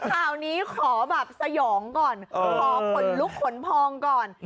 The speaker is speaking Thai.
ข่าวนี้ขอแบบสยองก่อนขอขนลุกขนพองก่อน